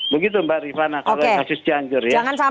begitu mbak rifana kalau kasus janggur